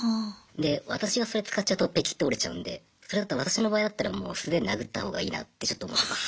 で私がそれ使っちゃうとペキッて折れちゃうんでそれだったら私の場合だったらもう素手で殴ったほうがいいなってちょっと思います